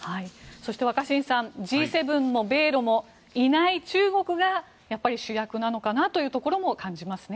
そして、若新さんＧ７も米ロも、いない中国が主役なのかなというところも感じますね。